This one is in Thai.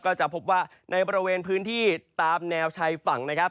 ก็จะพบว่าในบริเวณพื้นที่ตามแนวชายฝั่งนะครับ